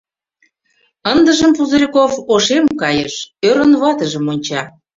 Ындыжым Пузырьков ошем кайыш, ӧрын ватыжым онча.